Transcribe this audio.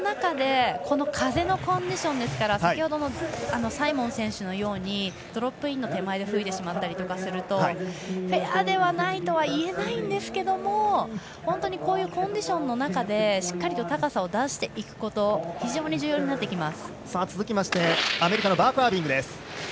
この風のコンディションですからサイモン選手のようにドロップインの手前で吹いてしまったりするとフェアではないとは言えないんですけどこういうコンディションの中でしっかりと高さを出していくことが続いてアメリカのバーク・アービング。